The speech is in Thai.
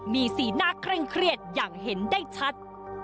มีสีหน้าเคร่งเครียดอย่างเห็นได้ชัด